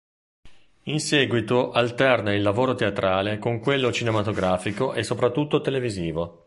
In seguito alterna il lavoro teatrale con quello cinematografico e soprattutto televisivo.